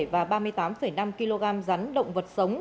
và ba mươi tám năm kg rắn động vật sống